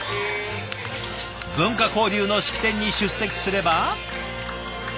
文化交流の式典に出席すれば。